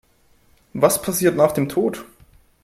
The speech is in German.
Was passiert nach dem Tod?